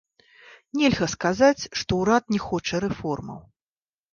Нельга сказаць, што ўрад не хоча рэформаў.